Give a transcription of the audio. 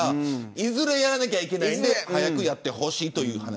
いずれ、やらなきゃいけないので早くやってほしいという話。